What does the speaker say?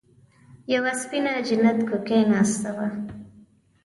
يوه سپينه جنت کوکۍ ناسته وه.